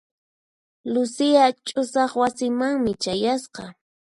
Lucia ch'usaq wasimanmi chayasqa.